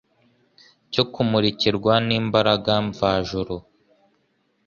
cyo kumurikirwa n’imbaraga mvajuru,